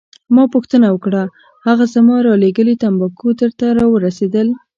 ما پوښتنه وکړه: هغه زما رالیږلي تمباکو درته راورسیدل؟